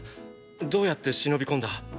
どうやって忍び込んだ？